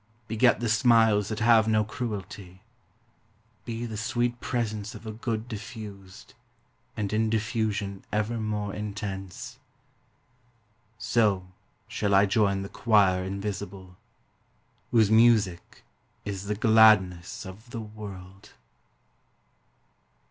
Beget the smiles that have no cruelty. Be the sweet presence of a good diffused, And in diffusion ever more intense! N 1 />'/»'. 1 77/ ; WORSHIP: CREED. 213 So shall I join the choir invisible, Whose music is the gladness of the world.